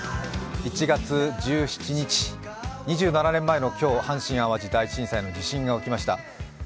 １月１７日、２７年前の今日、阪神・淡路大震災の地震が起きました。